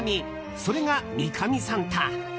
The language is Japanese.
それが三上サンタ。